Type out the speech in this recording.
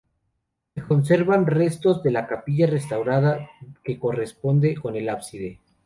Se conservan restos de la capilla restaurada que corresponde con el ábside.